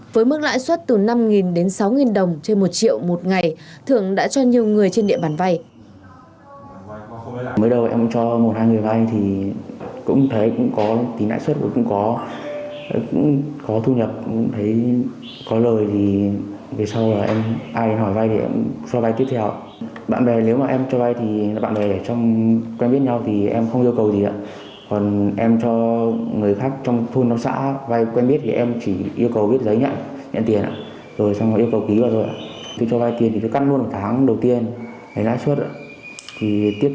với mức lãi suất từ năm đến sáu đồng trên một triệu một ngày thưởng đã cho nhiều người trên địa bàn vai